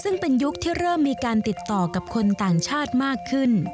ซึ่งเป็นยุคที่เริ่มมีการติดต่อกับคนต่างชาติมากขึ้น